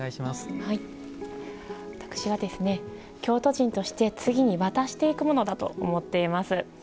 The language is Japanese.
私は「京都人として次に渡していくもの」だと思っています。